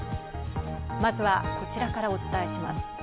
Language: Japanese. まずは、こちらからお伝えします。